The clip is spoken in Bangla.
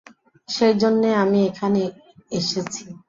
সেজন্যই আমি এখানে এসেছি।